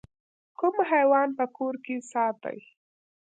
کوم حیوان په کور کې ساتئ؟